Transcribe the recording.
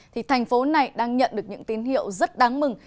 thì thành phố này đang nhận được những tín hiệu rất đáng mừng